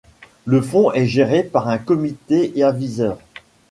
Le fonds est géré par un comité aviseur.